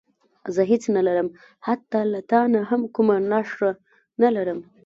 زه هېڅ نه لرم حتی له تا نه هم کومه نښه نه لرم.